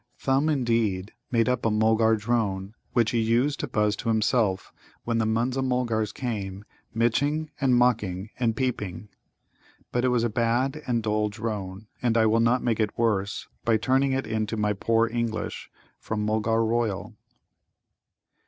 Thumb, indeed, made up a Mulgar drone, which he used to buzz to himself when the Munza mulgars came miching and mocking and peeping. (But it was a bad and dull drone, and I will not make it worse by turning it into my poor English from Mulgar royal.)